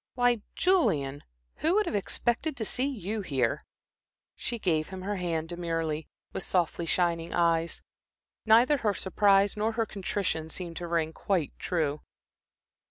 Why, Julian, who would have expected to see you here?" She gave him her hand demurely, with softly shining eyes. Neither her surprise nor her contrition seemed to ring quite true.